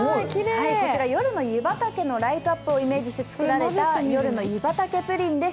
こちら夜の湯畑のライトアップをイメージして作られた夜の湯畑プリンです。